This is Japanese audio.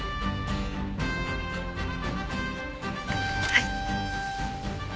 はい。